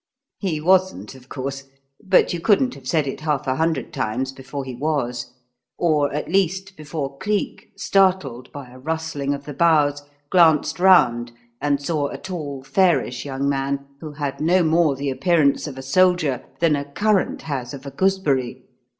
He wasn't, of course; but you couldn't have said it half a hundred times before he was; or, at least, before Cleek, startled by a rustling of the boughs, glanced round and saw a tall, fairish young man who had no more the appearance of a soldier than a currant has of a gooseberry.